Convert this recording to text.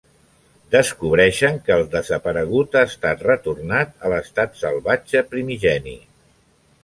Descobreixen que el desaparegut ha estat retornat a l'estat salvatge primigeni.